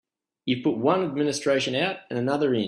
You've put one administration out and another in.